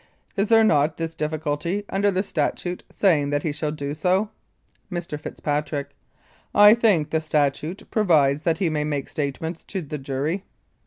Is there not this difficulty under the statute, saying that he shall do so? Mr. FITZPATRICK: I think the statute provides that he may make statements to the jury.